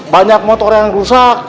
banyak motor yang rusak